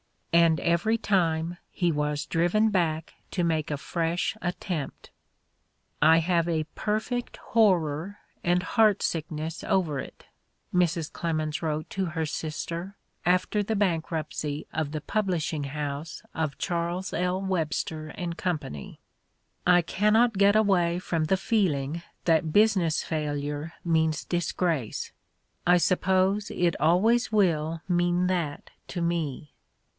And every time he was driven back to make a fresh attempt. "I have a perfect horror and heart sickness over it," Mrs. Clemens wrote to her sister after the bankruptcy of the publishing house of Charles L. "Webster and Co. "I cannot get away from the feeling that business failure means disgrace. I suppose it always will mean that to me.